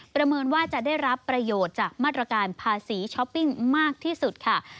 ประเมินว่าจะได้รับประโยชน์จากมาตรการภาษีช้อปปิ้งมากที่สุดค่ะ